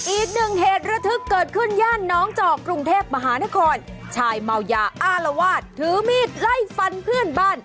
อีกหนึ่งเหตุระทึกเกิดขึ้นย่านน้องจอกกรุงเทพมหานครชายเมายาอารวาสถือมีดไล่ฟันเพื่อนบ้าน